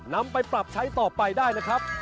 นำไปปรับใช้ต่อไปได้นะครับ